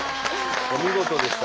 お見事でしたね。